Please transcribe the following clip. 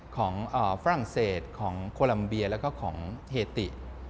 ฝรั่งเศสของโคลัมเบียแล้วก็ของเทติ